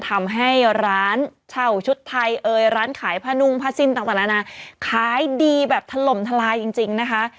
ทำให้ร้านเช่าชุดไทยเอ่ยร้านขายผนุงผ้าซินต่างต่างแล้วนะขายดีแบบถล่มทลายจริงจริงนะคะ